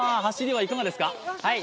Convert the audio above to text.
走りはいかがですか？